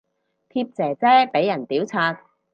貼姐姐俾人屌柒